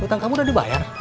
hutang kamu udah dibayar